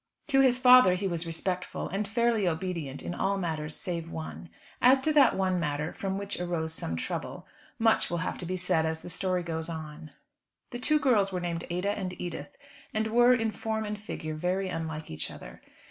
To his father he was respectful, and fairly obedient in all matters, save one. As to that one matter, from which arose some trouble, much will have to be said as the story goes on. The two girls were named Ada and Edith, and were, in form and figure, very unlike each other.